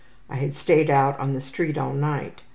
I had stayed out on the street all night.